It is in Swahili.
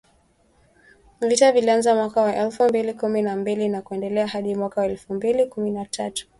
Vita vilianza mwaka wa elfu mbili kumi na mbili na kuendelea hadi mwaka wa elfu mbili kumi na tatu.